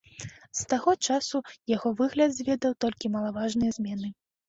З таго часу яго выгляд зведаў толькі малаважныя змены.